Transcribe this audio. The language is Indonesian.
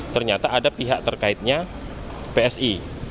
ternyata ada pihak terkaitnya psi